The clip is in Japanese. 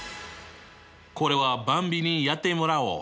これはばんびにやってもらおう。